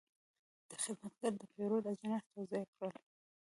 دا خدمتګر د پیرود اجناس توضیح کړل.